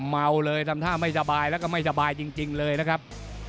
เมาเลยทำท่าไม่สบายแล้วก็ไม่สบายจริงเลยนะครับ